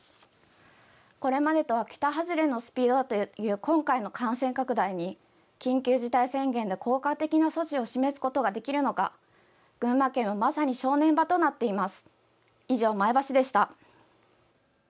これまでとは桁外れのスピードだという今回の感染拡大に緊急事態宣言の効果的な措置を示すことができるのか群馬県はまさに正念場となっています。